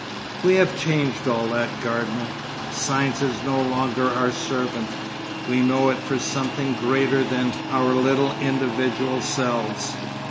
We have changed all that, Gardener. Science is no longer our servant. We know it for something greater than our little individual selves.